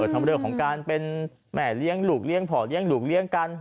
ทั้งเรื่องของการเป็นแม่เลี้ยงลูกเลี้ยงพ่อเลี้ยงลูกเลี้ยงกัน